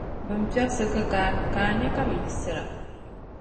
Bɛ ni piɛbsi kikaa, ka a nya ka bɛ yiɣisira.